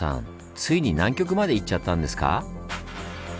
ついに南極まで行っちゃったんですか？